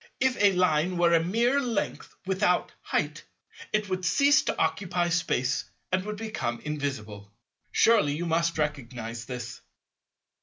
If a Line were mere length without "height," it would cease to occupy Space and would become invisible. Surely you must recognize this?